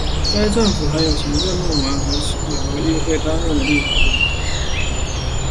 该政府含有行政部门和由议会担任的立法部门。